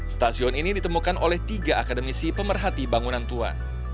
stasiun ini ditemukan oleh tiga akademisi pemerhati bangunan tua